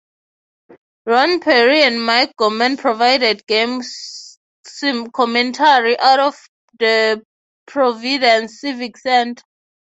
Ron Perry and Mike Gorman provided game commentary out of Providence Civic Center.